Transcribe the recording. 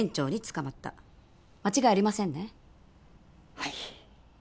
はい。